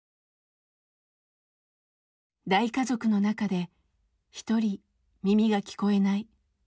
大家族の中で１人耳が聞こえない。